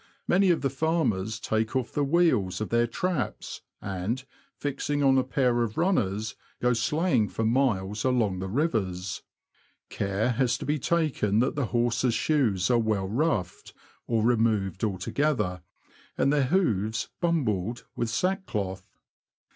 Many of the farmers take off the wheels of their traps, and, fixing on a pair of runners, go sleighing for miles along the rivers. Care has to be taken that the horses' shoes are well roughed, or removed altogether, and their hoofs "bumbled" with sackcloth.